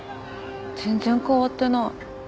全然変わってない。